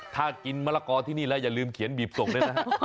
ถ้ากินมะละกอที่นี่แล้วอย่าลืมเขียนบีบส่งเลยนะฮะ